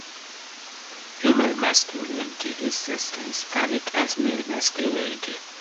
Female masculinity is just as valid as male masculinity.